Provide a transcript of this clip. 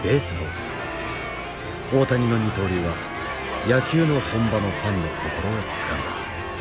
大谷の二刀流は野球の本場のファンの心をつかんだ。